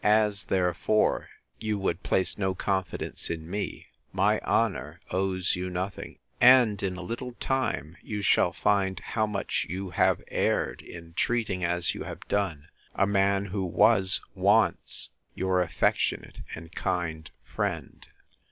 As, therefore, you would place no confidence in me, my honour owes you nothing; and, in a little time, you shall find how much you have erred, in treating, as you have done, a man who was once 'Your affectionate and kind friend.